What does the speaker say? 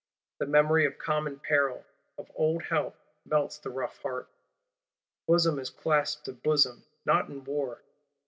The memory of common peril, of old help, melts the rough heart; bosom is clasped to bosom, not in war.